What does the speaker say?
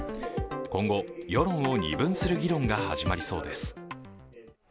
今後、世論を二分する議論が始まりそうです。